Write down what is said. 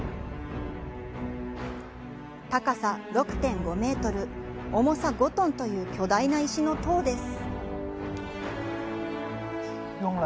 高さ６．５メートル重さ５トンという巨大な石の塔です。